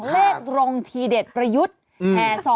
เลขตรงทีเด็ดประยุทธ์